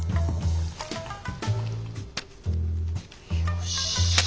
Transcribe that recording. よし。